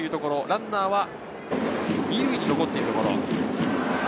ランナーは２塁に残っています。